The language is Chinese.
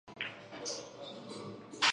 无法以佃农身分参加农保